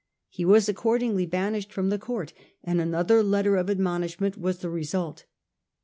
He was accordingly banished from the Court and another letter of admonishment was the re sult.